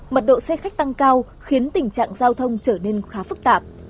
mật độ xe khách tăng cao khiến tình trạng giao thông trở nên khá phức tạp